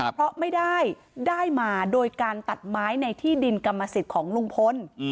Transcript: เพราะไม่ได้ได้มาโดยการตัดไม้ในที่ดินกรรมสิทธิ์ของลุงพล